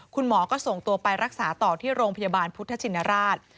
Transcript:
คุณหมอก็ส่งตัวไปรักษาต่อที่โรงพยาบาลพุทธชินราช